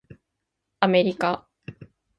アメリカ